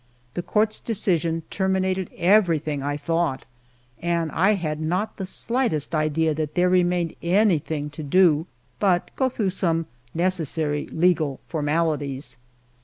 The Court's decision termi nated everything, I thought, and I had not the slightest idea that there remained anything to do but go through some necessary legal formalities.